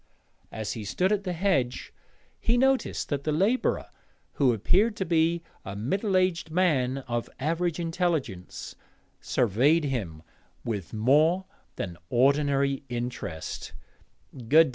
As he stood at the hedge he noticed that the labourer, who appeared to be a middle aged man of average intelligence, surveyed him with more than ordinary interest.